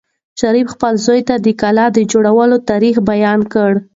شریف خپل زوی ته د کلا د جوړولو تاریخ بیان کړ.